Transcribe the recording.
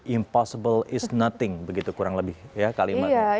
impossible is nothing begitu kurang lebih ya kalimatnya